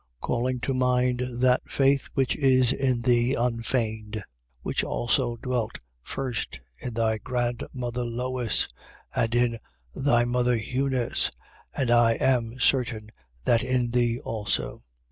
Calling to mind that faith which is in thee unfeigned, which also dwelt first in thy grandmother Lois and in thy mother Eunice, and I am certain that in thee also.